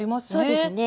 そうですね。